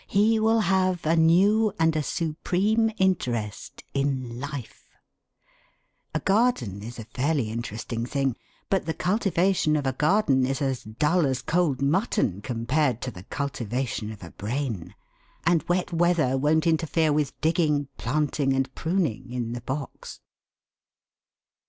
He will have a new and a supreme interest in life. A garden is a fairly interesting thing. But the cultivation of a garden is as dull as cold mutton compared to the cultivation of a brain; and wet weather won't interfere with digging, planting, and pruning in the box.